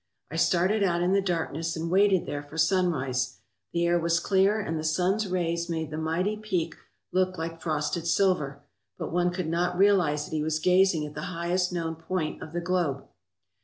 I started out in the darkness and waited there for sunrise. The air was clear and the sun's rays made the mighty peak look like frosted silver, but one could not realize that he was gazing at the highest known point of the globe.